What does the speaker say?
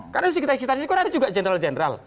karena kita juga general general